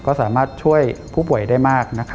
ก็สามารถช่วยผู้ป่วยได้มาก